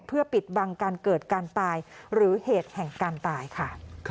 เพื่อปิดบังการเกิดการตายหรือเหตุแห่งการตายค่ะ